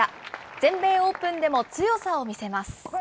全米オープンでも強さを見せます。